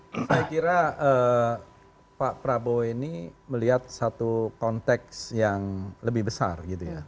saya kira pak prabowo ini melihat satu konteks yang lebih besar gitu ya